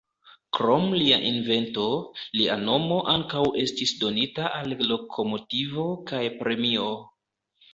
Krom lia invento, lia nomo ankaŭ estis donita al lokomotivo kaj premio.